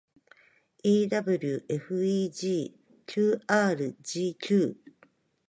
ewfegqrgq